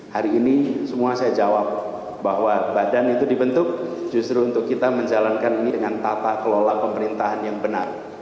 hari ini semua saya jawab bahwa badan itu dibentuk justru untuk kita menjalankan ini dengan tata kelola pemerintahan yang benar